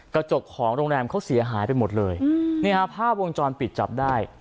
กระจกของโรงแรมเขาเสียหายไปหมดเลยนี่ฮะภาพวงจรปิดจับได้